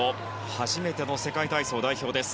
初めての世界体操代表です。